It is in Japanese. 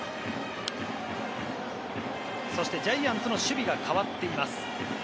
そしてジャイアンツの守備が代わっています。